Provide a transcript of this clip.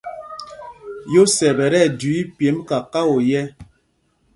Yósɛp ɛ́ tí ɛjüii pyêmb kakao yɛ̄.